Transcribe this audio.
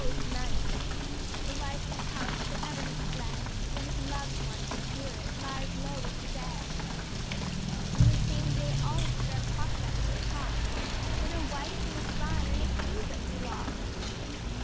it is night; The light of his house forever has fled, For his loved one, his dearest, lies low with the dead. In the same day all his fair prospects were crossed, When a wife, and a son, and a kingdom he lost.